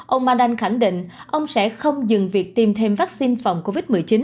ông mandan khẳng định ông sẽ không dừng việc tiêm thêm vaccine phòng covid một mươi chín